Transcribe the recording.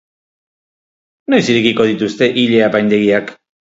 Noiz irekiko dituzte ile-apaindegiak?